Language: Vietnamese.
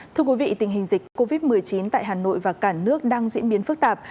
thưa quý vị tình hình dịch covid một mươi chín tại hà nội và cả nước đang diễn biến phức tạp